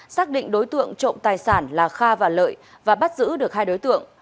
xác định đối tượng trộm tài sản là kha và lợi và bắt giữ được hai đối tượng